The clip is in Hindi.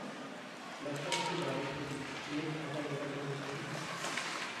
लगता है कि बारिश होगी। तुम्हे छाता लेकर जाना चाहिए।